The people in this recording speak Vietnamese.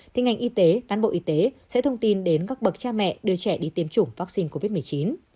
thì ngành y tế cán bộ y tế sẽ thông tin đến các bậc cha mẹ đưa trẻ đi tiêm chủng vaccine covid một mươi chín